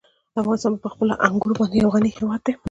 افغانستان په خپلو انګورو باندې یو غني هېواد دی.